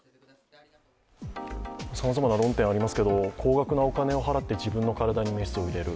さまざまな論点ありますけど高額なお金を払って自分の体にメスを入れる。